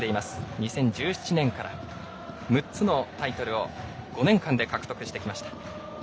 ２０１７年から６つのタイトルを５年間で獲得してきました。